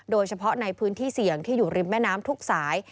โดยเฉพาะในพื้นที่เสี่ยงที่อยู่ริมแม่น้ำทุกสาย